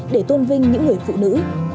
để tôn vinh những người phụ nữ